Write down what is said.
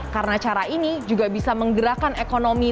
karena cara ini juga bisa menggerakkan ekonomi